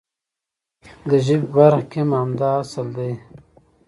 د ژبې په برخه کې هم همدا اصل دی.